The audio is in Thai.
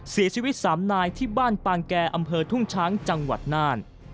เสียชีวิต๓นายที่บ้านปางแก่อำเภอทุ่งช้างจังหวัดน่าน